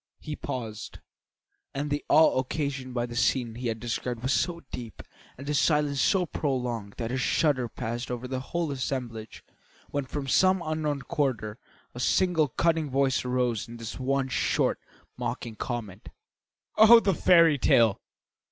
He paused, and the awe occasioned by the scene he had described was so deep and the silence so prolonged that a shudder passed over the whole assemblage when from some unknown quarter a single cutting voice arose in this one short, mocking comment: "Oh, the fairy tale!"